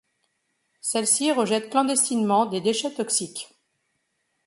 Celle-ci rejette clandestinement des déchets toxiques.